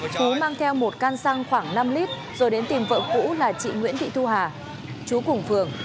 phú mang theo một can xăng khoảng năm lit rồi đến tìm vợ cũ là chị nguyễn thị thu hà chú cùng phường